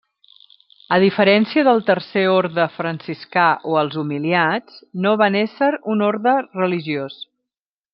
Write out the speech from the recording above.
A diferència del Tercer Orde Franciscà o els Humiliats, no van ésser un orde religiós.